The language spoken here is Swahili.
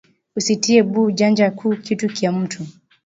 Usi tiye bu janja ku kitu kya mutu